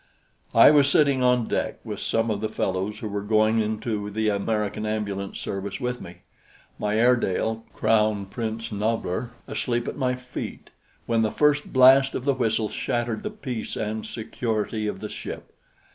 I was sitting on deck with some of the fellows who were going into the American ambulance service with me, my Airedale, Crown Prince Nobbler, asleep at my feet, when the first blast of the whistle shattered the peace and security of the ship.